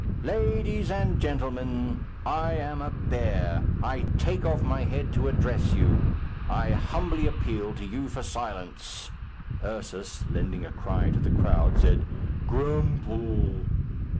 Ladies and gentlemen, I am a bear. I take off my head to address you. I humbly appeal to you for silence." Ursus, lending a cry to the crowd, said, "Grumphll!"